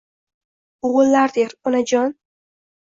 O‘g‘illar der: -Onajon